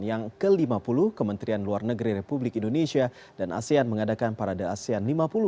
yang ke lima puluh kementerian luar negeri republik indonesia dan asean mengadakan parade asean lima puluh dua